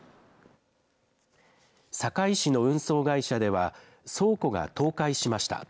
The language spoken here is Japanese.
堺市の運送会社では、倉庫が倒壊しました。